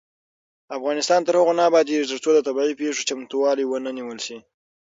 افغانستان تر هغو نه ابادیږي، ترڅو د طبيعي پیښو چمتووالی ونه نیول شي.